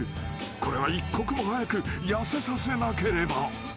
［これは一刻も早く痩せさせなければ］